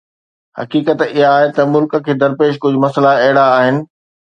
حقيقت اها آهي ته ملڪ کي درپيش ڪجهه مسئلا اهڙا آهن.